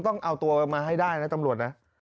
ต้องเอาตัวมาให้ได้นะตำรวจนะ